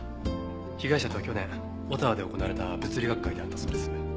被害者とは去年オタワで行われた物理学会で会ったそうです。